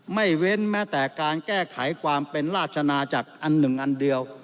เว้นแม้แต่การแก้ไขความเป็นราชนาจักรอันหนึ่งอันเดียว